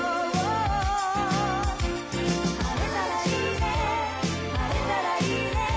「晴れたらいいね晴れたらいいね」